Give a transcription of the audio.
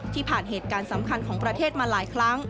ผ่านเหตุการณ์สำคัญของประเทศมาหลายครั้ง